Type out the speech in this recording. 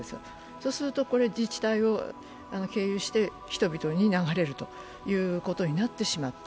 そうするとこれ、自治体を経由して人々に流れるということになってしまった。